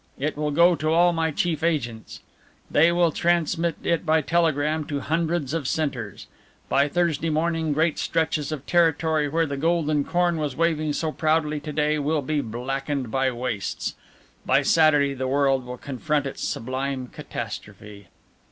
It will go to all my chief agents. They will transmit it by telegram to hundreds of centres. By Thursday morning great stretches of territory where the golden corn was waving so proudly to day will be blackened wastes. By Saturday the world will confront its sublime catastrophe."